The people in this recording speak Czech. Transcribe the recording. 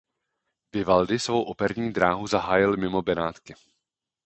Vivaldi svou operní dráhu zahájil mimo Benátky.